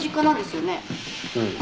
うん。